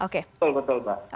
betul betul mbak